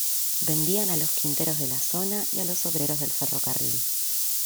Vendían a los quinteros de la zona y a los obreros del ferrocarril.